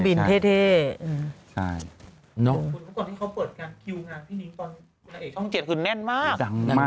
ก่อนที่เขาเปิดการคิวนะครับพี่หญิงพระเอกช่องเจียรติคุณแน่นมาก